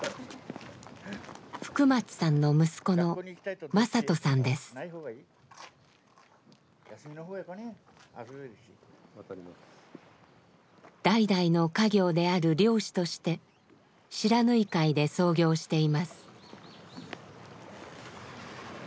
福松さんの息子の代々の家業である漁師として不知火海で操業しています。